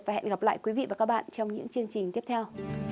và hẹn gặp lại quý vị và các bạn trong những chương trình tiếp theo